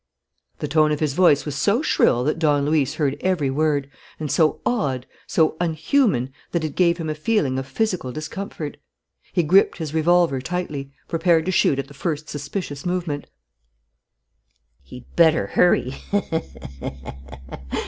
The tone of his voice was so shrill that Don Luis heard every word, and so odd, so unhuman, that it gave him a feeling of physical discomfort. He gripped his revolver tightly, prepared to shoot at the first suspicious movement. "He'd better hurry!"